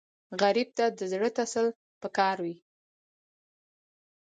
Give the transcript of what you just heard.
غریب ته د زړه تسل پکار وي